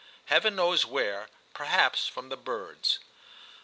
Heaven knows where, — perhaps from the birds.